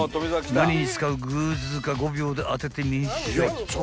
［何に使うグッズか５秒で当ててみんしゃい］